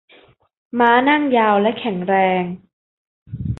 ม้านั่งยาวและแข็งแรง